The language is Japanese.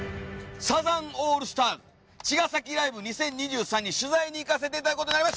サザンオールスターズ茅ヶ崎ライブ２０２３に取材に行かせていただくことになりました！